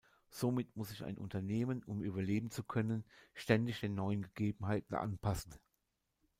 Somit muss sich ein Unternehmen, um überleben zu können, ständig den neuen Gegebenheiten anpassen.